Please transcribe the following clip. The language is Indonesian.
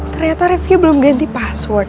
ternyata review belum ganti password